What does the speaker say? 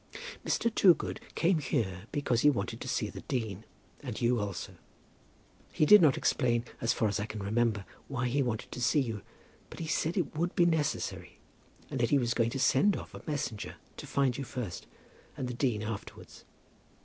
Mr. Toogood came here because he wanted to see the dean, and you also. He did not explain, as far as I can remember, why he wanted to see you; but he said it would be necessary, and that he was going to send off a messenger to find you first, and the dean afterwards.